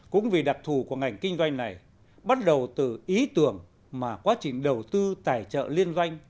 cũng vì đặc thù của ngành kinh doanh này bắt đầu từ ý tưởng mà quá trình đầu tư tài trợ liên doanh